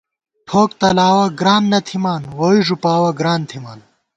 ٹھوک تلاوَہ گران نہ تھِمان ووئی ݫُپاوَہ گران تھِمان